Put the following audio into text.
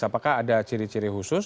apakah ada ciri ciri khusus